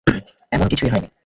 এমন কিছুই হয়নি।